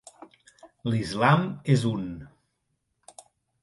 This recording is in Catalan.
L'Islam és un.